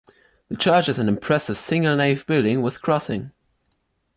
The Church is an impressive single nave building with crossing.